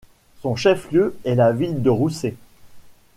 Son chef-lieu est la ville de Roussé.